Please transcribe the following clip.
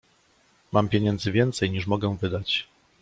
"Mam pieniędzy więcej, niż mogę wydać."